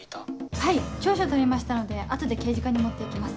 はい調書を取りましたので後で刑事課に持って行きます